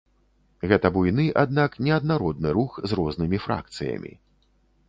Гэта буйны, аднак неаднародны рух з рознымі фракцыямі.